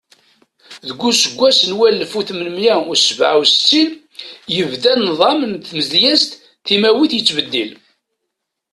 Deg useggas n walef u tmenmiya u sebɛa u settin, yebda nḍam n tmedyazt timawit yettbeddil.